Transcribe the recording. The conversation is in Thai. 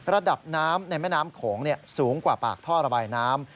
ระดับน้ำในแม่น้ำโขงสูงกว่าปากท่อระบายน้ำ